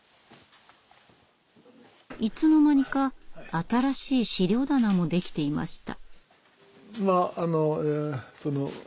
いつの間にか新しい資料棚もできていました。